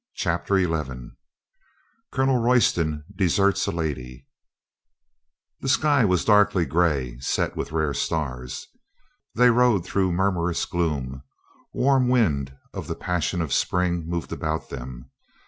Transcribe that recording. CHAPTER ELEVEN COLONEL ROYSTON DESERTS A LADY THE sky was darkly gray, set with rare stars. They rode through murmurous gloom. Warm wind of the passion of spring moved about them.